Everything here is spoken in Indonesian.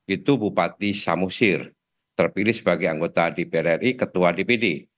itu bupati samosir terpilih sebagai anggota dpr ri ketua dpd